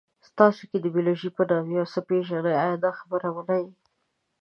تاسو که د بیولوژي په نامه یو څه پېژنئ، ایا دا خبره منئ؟